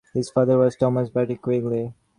His father was Thomas Barlett Quigley.